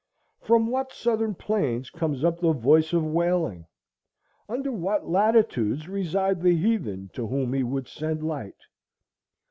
From what southern plains comes up the voice of wailing? Under what latitudes reside the heathen to whom we would send light?